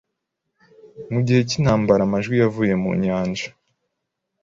Mu gihe cyintambara amajwi yavuye mu Nyanja